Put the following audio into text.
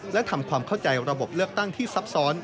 และทำความเข้าใจระบบเลือกตั้งที่ซับซ้อน